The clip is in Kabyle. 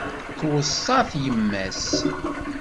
Tweṣṣa-t yemma-s.